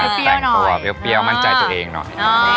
เปรี้ยวตัวเปรี้ยวมั่นใจตัวเองหน่อย